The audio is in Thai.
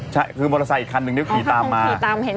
มอเตอร์ไซค์อีกคันมาขี่ตามมา